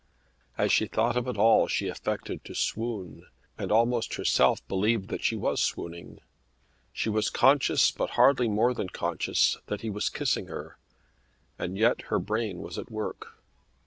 As she thought of it all she affected to swoon, and almost herself believed that she was swooning. She was conscious but hardly more than conscious that he was kissing her; and yet her brain was at work.